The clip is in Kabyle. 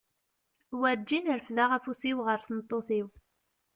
Warǧin refdeɣ afus-iw ɣer tmeṭṭut-iw.